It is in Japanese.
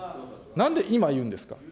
なんで今言うんですか。